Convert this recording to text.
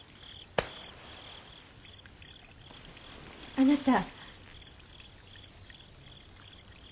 あなた。